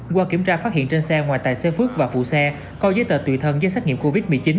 qua kiểm tra phát hiện trên xe ngoài tài xế phước và phụ xe có giấy tờ tùy thân dưới xét nghiệm covid một mươi chín